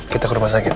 kita ke rumah sakit